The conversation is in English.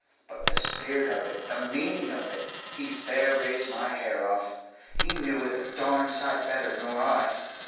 But the spirit of it the meaning of it he fair raised my hair off he knew it a darned sight better nor I.